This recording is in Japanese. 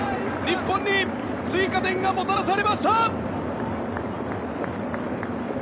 日本に追加点がもたらされました！